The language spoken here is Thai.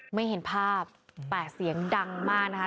ไม่เห็นภาพแต่เสียงดังมากนะคะ